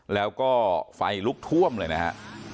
แล้วก็ไฟลุกท่วมเลยนะฮะ